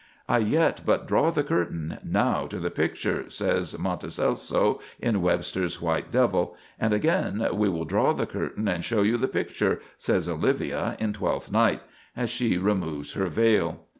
"I yet but draw the curtain; now to the picture," says Monticelso in Webster's "White Devil"; and, again, "We will draw the curtain and show you the picture," says Olivia in "Twelfth Night," as she removes her veil.